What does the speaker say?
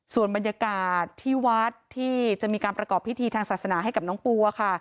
ส่วนบรรยากาศที่วัดที่จะมีการประกอบพิธีทางศาสนาให้กับน้องปูค่ะ